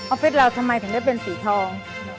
ฟิศเราทำไมถึงได้เป็นสีทอง